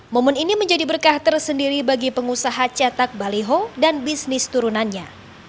momen ini menjadi berkah tersendiri bagi pengusaha cetak baliho dan bisnis turunannya